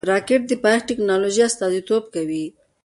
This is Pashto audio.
راکټ د پایښت د ټېکنالوژۍ استازیتوب کوي